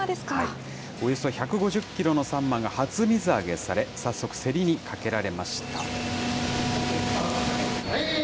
およそ１５０キロのサンマが初水揚げされ、早速、競りにかけられました。